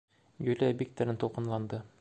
Юлия бик тәрән тулҡынланды.